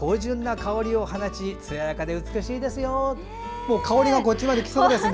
香りがこっちまできそうですね。